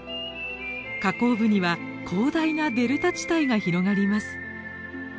河口部には広大なデルタ地帯が広がります。